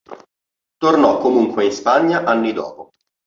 Tornò comunque in Spagna anni dopo.